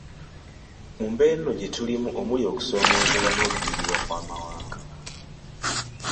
Mu mbeera eno gye tulimu omuli okusoomoozebwa n’okumiribwa kw’Amawanga.